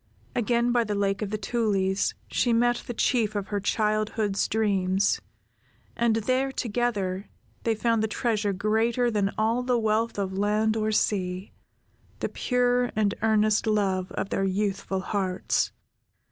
Again by the Lake of the Tulies, she met the Chief of her childhood's dreams, and there together, they found the treasure greater than all the wealth of land or sea, the pure and earnest love of their youthful hearts.